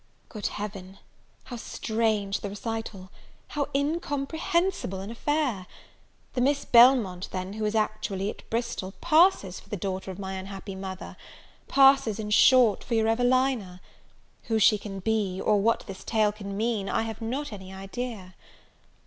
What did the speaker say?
Good Heaven, how strange the recital! how incomprehensible an affair! The Miss Belmont then who is actually at Bristol, passes for the daughter of my unhappy mother! passes, in short, for your Evelina! Who she can be, or what this tale can mean, I have not any idea.